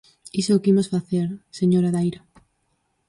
Iso é o que imos facer, señora Daira.